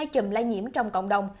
hai chùm lai nhiễm trong cộng đồng